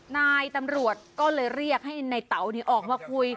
นายตำรวจก็เลยเรียกให้ในเต๋าออกมาคุย